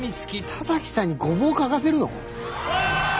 田崎さんにごぼう嗅がせるの？